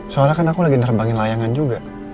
soalnya kan aku lagi nerbangin layangan juga